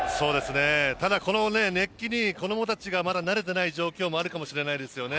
ただ、この熱気に子どもたちがまだ慣れていない状況もあるかもしれないですよね。